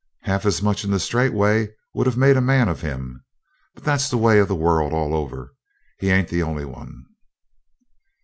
Half as much in the straight way would have made a man of him. But that's the way of the world all over. He ain't the only one.